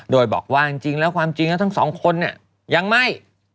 โดยบอกว่าจริงแล้วความจริงแล้วทั้งสองคนเนี่ยยังไม่